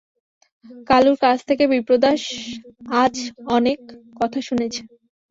কালুর কাছ থেকে বিপ্রদাস আজ অনেক কথা শুনেছে।